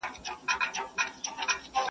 • يو نغمه ګره نقاسي کومه ښه کوومه..